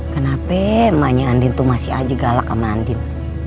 kenapa emaknya andin tuh masih aja galak sama andin